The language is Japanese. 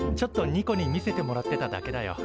ニコに見せてもらってただけだよ。